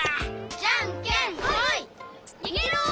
じゃんけんほい！にげろ！